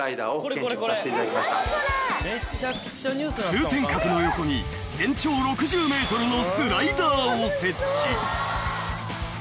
［通天閣の横に全長６０ｍのスライダーを設置］